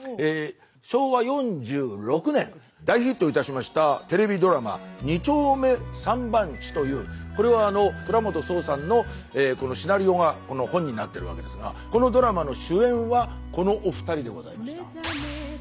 昭和４６年大ヒットいたしましたテレビドラマ「２丁目３番地」というこれは倉本聰さんのシナリオがこの本になってるわけですがこのドラマの主演はこのお二人でございました。